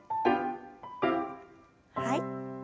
はい。